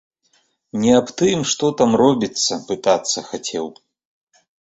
Не аб тым, што там робіцца, пытацца хацеў.